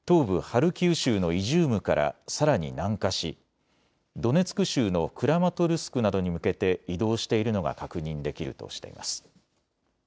ハルキウ州のイジュームからさらに南下しドネツク州のクラマトルスクなどに向けて移動しているのが確認できるとしています。